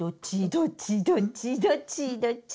「どっちどっちどっちどっち」